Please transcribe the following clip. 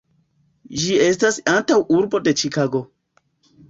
Ĝi estas antaŭurbo de Ĉikago.